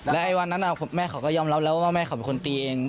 ไอ้วันนั้นแม่เขาก็ยอมรับแล้วว่าแม่เขาเป็นคนตีเอง